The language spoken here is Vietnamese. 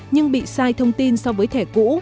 nhưng bị sai thông tin so với thẻ cũ